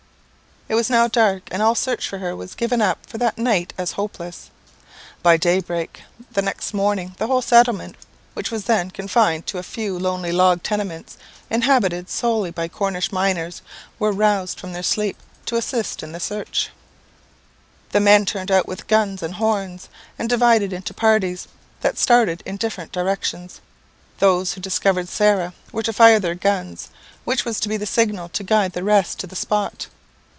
"It was now dark, and all search for her was given up for that night as hopeless. By day break the next morning the whole settlement which was then confined to a few lonely log tenements, inhabited solely by Cornish miners, were roused from their sleep to assist in the search. "The men turned out with guns and horns, and divided into parties, that started in different directions. Those who first discovered Sarah were to fire their guns, which was to be the signal to guide the rest to the spot.